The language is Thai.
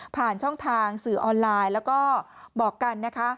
ผ่านช่องทางสื่อออนไลน์แล้วก็บอกกันนะคะ